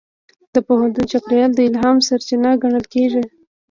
د پوهنتون چاپېریال د الهام سرچینه ګڼل کېږي.